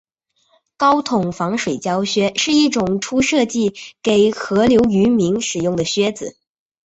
高筒防水胶靴是一种最初设计给河流渔民使用的靴子。